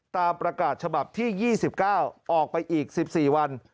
ตามประกาศฉบับที่๒๙ออกไปอีก๑๔วัน